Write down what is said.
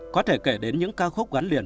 có thể kể đến những ca khúc gắn liền